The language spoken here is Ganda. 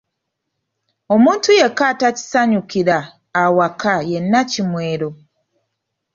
Omuntu yekka ataakisanyukira awaka ye Nnakimwero